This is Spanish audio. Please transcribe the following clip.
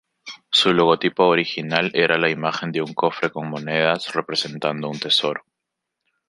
Su logotipo original era la imagen de un cofre con monedas, representando un tesoro.